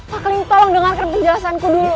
pak kling tolong dengarkan penjelasanku dulu